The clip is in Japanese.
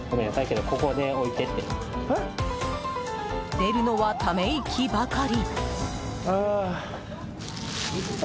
出るのは、ため息ばかり。